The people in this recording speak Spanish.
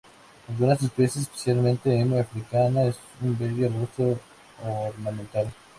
Algunas especies, especialmente "M. africana", es un bello arbusto ornamental.